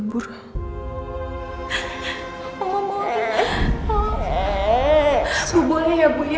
bu boleh ya bu